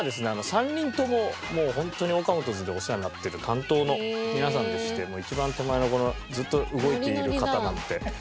３人ともホントにＯＫＡＭＯＴＯ’Ｓでお世話になってる担当の皆さんでして一番手前のこのずっと動いている方なんて。